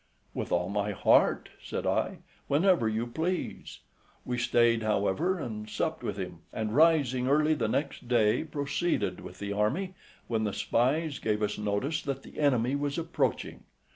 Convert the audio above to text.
"With all my heart," said I, "whenever you please." We stayed, however, and supped with him; and rising early the next day, proceeded with the army, when the spies gave us notice that the enemy was approaching.